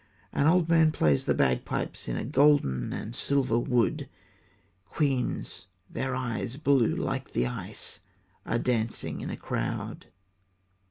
An old man plays the bagpipes In a golden and silver wood; Queens, their eyes blue like the ice, Are dancing in a crowd.